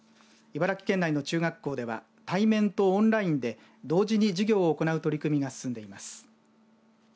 茨城県内の中学校では対面とオンラインで同時に授業を行う取り組みが進んでいます。